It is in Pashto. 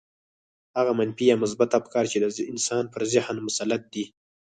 هغه منفي يا مثبت افکار چې د انسان پر ذهن مسلط دي.